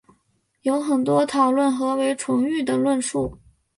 有很多讨论何为纯育的论述。